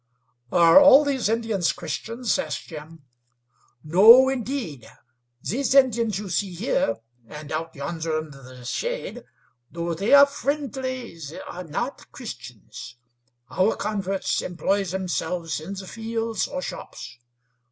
"Are all these Indians Christians?" asked Jim. "No, indeed. These Indians you see here, and out yonder under the shade, though they are friendly, are not Christians. Our converts employ themselves in the fields or shops.